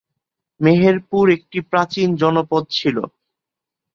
মেহেরপুর একটি প্রাচীন জনপদ ছিল।